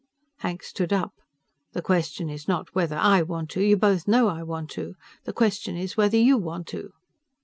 Hank stood up. "The question is not whether I want to. You both know I want to. The question is whether you want to."